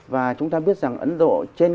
và chúng ta biết rằng ấn độ trên các diễn đàn